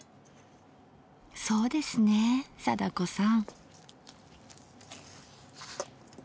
そうですねえ貞子さん。